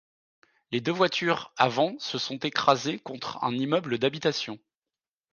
Les deux voitures avant se sont écrasées contre un immeuble d'habitation.